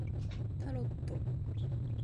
タロット